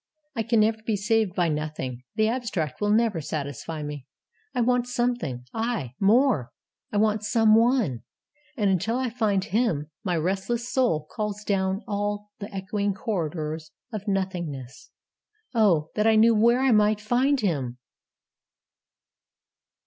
I can never be saved by Nothing. The abstract will never satisfy me. I want something; aye, more, I want Some One; and until I find Him my restless soul calls down all the echoing corridors of Nothingness, 'Oh that I knew where I might find Him!'